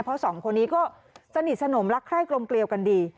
เพราะสองคนนี้ก็สนิทสนมรักใคร่กลมเกลียวกันดี